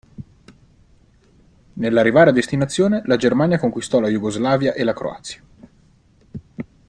Nell'arrivare a destinazione la Germania conquistò la Iugoslavia e la Croazia.